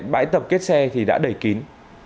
bãi tập kết xe thì đã đẩy kín